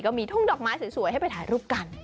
มีทุ่งดอกไม้สวยให้ไปถ่ายรูปกัน